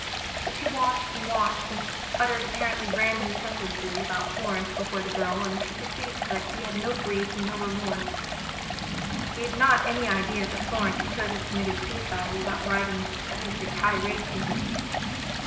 But she watched and watched, and uttered apparently random sentences about Florence before the girl, and she perceived that he had no grief and no remorse. He had not any idea that Florence could have committed suicide without writing at least a tirade to him.